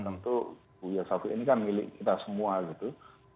tentu buya shafi'i ini kan milik kita semua gitu